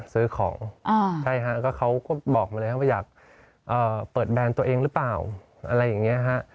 ซื้อของใช่ฮะก็เขาก็บอกมาเลยครับว่าอยากเปิดแบรนด์ตัวเองหรือเปล่าอะไรอย่างนี้ฮะ